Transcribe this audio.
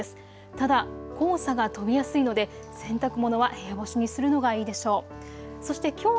ただ黄砂が飛びやすいので洗濯物は部屋干しにするのがいいでしょう。